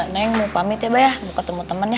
neng mau pamit ya bayah mau ketemu temen ya